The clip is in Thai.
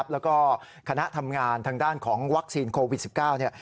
แล้วก็คณะทำงานทางด้านของวัคซีนโควิด๑๙